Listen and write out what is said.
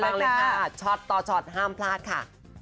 ไปฟังเลยค่ะชอตห้ามพลาดค่ะ